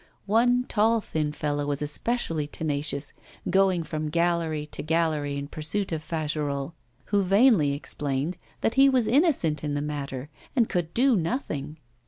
One tall thin fellow was especially tenacious, going from gallery to gallery in pursuit of Fagerolles, who vainly explained that he was innocent in the matter and could do nothing.